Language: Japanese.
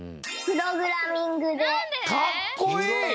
プログラミング？